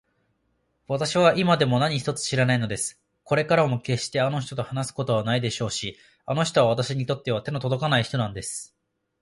わたしは今でも何一つ知らないのです。これからもけっしてあの人と話すことはないでしょうし、あの人はわたしにとっては手のとどかない人なんです。